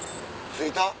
着いた？